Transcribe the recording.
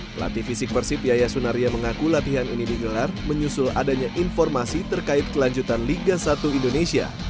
pelatih fisik persib yaya sunaria mengaku latihan ini digelar menyusul adanya informasi terkait kelanjutan liga satu indonesia